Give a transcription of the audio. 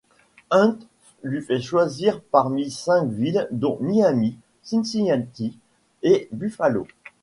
Hunt lui fit choisir parmi cinq villes dont Miami, Cincinnati et Buffalo.